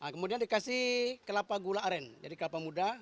kemudian dikasih kelapa gula aren jadi kelapa muda